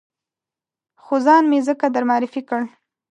خو ځان مې ځکه در معرفي کړ.